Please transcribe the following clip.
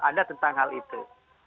ada tentang hal itu